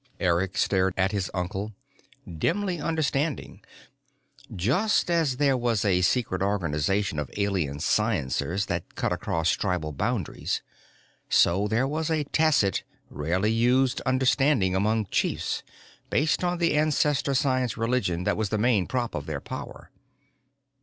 Eric stared at his uncle, dimly understanding. Just as there was a secret organization of Alien sciencers that cut across tribal boundaries, so there was a tacit, rarely used understanding among the chiefs, based on the Ancestor science religion that was the main prop of their power.